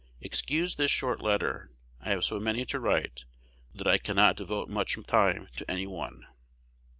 Excuse this short letter. I have so many to write that I cannot devote much time to any one.